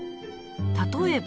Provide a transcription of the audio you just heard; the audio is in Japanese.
例えば